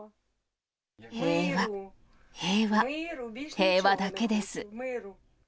平和、平和、平和だけです。